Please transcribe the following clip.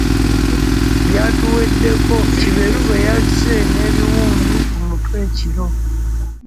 Byatuweddeko Kiberu bwe yazze n'ebiwundu ku mutwe ekiro.